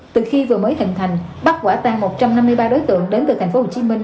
từ khi vừa mới hình thành bắt quả tăng một trăm năm mươi ba đối tượng đến từ thành phố hồ chí minh